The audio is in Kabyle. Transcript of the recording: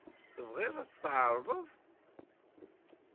Tebɣiḍ ad tɛerḍeḍ-t?